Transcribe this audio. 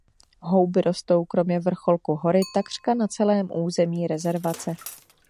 Houby rostou kromě vrcholku hory takřka na celém území rezervace.